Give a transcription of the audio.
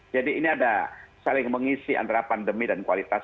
jadi ini ada saling mengisi antara pandemi dan kualitas